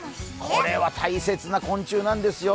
これは大切な昆虫なんですよ。